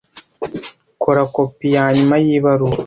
Kora kopi yanyuma yibaruwa.